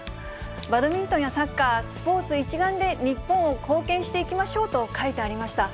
バドミントンやサッカー、スポーツ一丸で日本を貢献していきましょうと書いてありました。